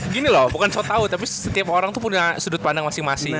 gini loh bukan so tau tapi setiap orang tuh punya sudut pandang masing masing